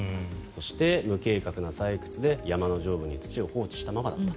そして、無計画な採掘で山の上部に土を放置したままだった。